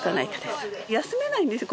休めないんですよ